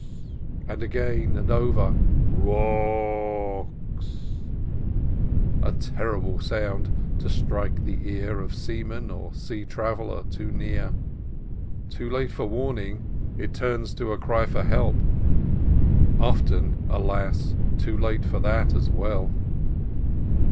and again, over and over, "Ro o o o o o ocks!" A terrible sound to strike the ear of seaman or sea traveller, too near! Too late for warning, it turns to a cry for help, often, alas! too late for that, as well.